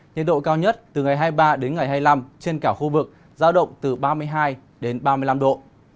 nhiệt độ cao nhất từ ngày hai mươi ba đến ngày hai mươi năm trên cả khu vực giao động từ ba mươi hai đến ba mươi năm độ